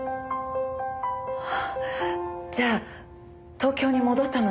ああじゃあ東京に戻ったのね。